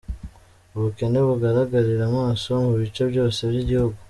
– Ubukene bugaragarira amaso mu bice byose by’igihugu,